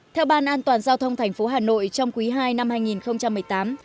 theo ban an toàn giao thông thành phố hà nội trong quý ii năm hai nghìn một mươi tám